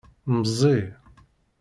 Mzi.